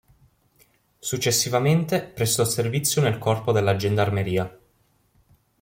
Successivamente prestò servizio nel Corpo della Gendarmeria.